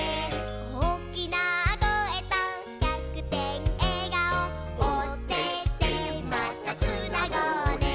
「おおきなこえと１００てんえがお」「オテテまたつなごうね」